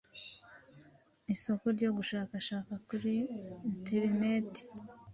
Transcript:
isoko ryo gushakashaka kuri interineti